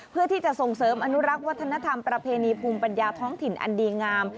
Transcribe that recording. เพื่อที่จะส่งเสริมอนุรักษ์วัฒนธรรมประเพณีภูมิปัญญาท้องถิ่นอันดีงาม